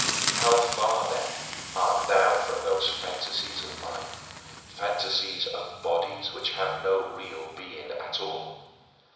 How far, then, art thou from those fantasies of mine, fantasies of bodies which have no real being at all!